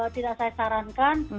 tidak saya sarankan